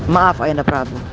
maaf ayanda prabu